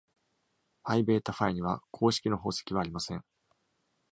パイ・ベータ・ファイには公式の宝石はありません。